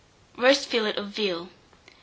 ROAST FILLET OF VEAL. 872.